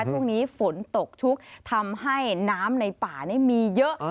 ช่วงนี้ฝนตกชุกทำให้น้ำในป่านี่มีเยอะ